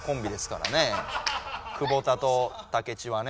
久保田と武智はね。